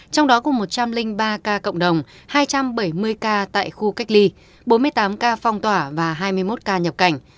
trong đó cùng một trăm linh ba ca cộng đồng hai trăm bảy mươi ca tại khu cách ly bốn mươi tám ca phong tỏa và hai mươi một ca nhập cảnh